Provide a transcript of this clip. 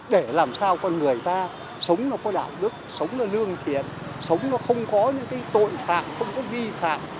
để làm sao con người ta sống nó có đạo đức sống nó lương thiện sống nó không có những cái tội phạm không có vi phạm